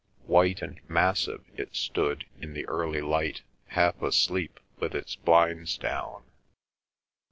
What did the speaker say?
White and massive it stood in the early light, half asleep with its blinds down.